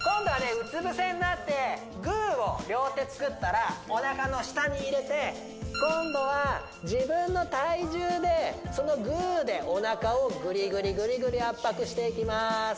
うつぶせになってグーを両手作ったらおなかの下に入れて今度は自分の体重でそのグーでおなかをグリグリグリグリ圧迫していきます